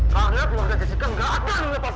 karena keluarga jessica gak akan mengepasin lu